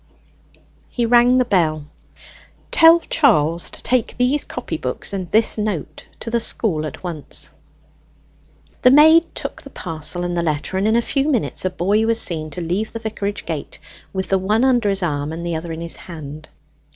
He rang the bell. "Tell Charles to take these copybooks and this note to the school at once." The maid took the parcel and the letter, and in a few minutes a boy was seen to leave the vicarage gate, with the one under his arm, and the other in his hand.